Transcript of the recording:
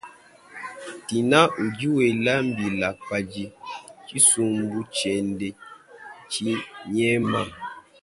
Tina udi wela mbila padi thsisumbu tshiende thsinyema.